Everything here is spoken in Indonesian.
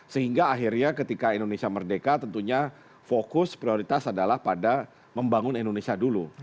sehingga akhirnya ketika indonesia merdeka tentunya fokus prioritas adalah pada membangun indonesia dulu